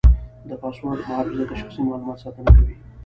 د پاسورډ محافظت د شخصي معلوماتو ساتنه کوي.